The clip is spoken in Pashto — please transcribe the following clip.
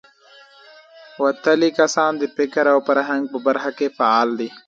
وتلي کسان د فکر او فرهنګ په برخه کې فعال دي.